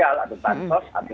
yang keempat itu